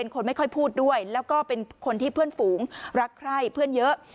คนไม่ค่อยพูดด้วยแล้วก็เป็นคนที่เพื่อนฝูงรักใคร่เพื่อนเยอะ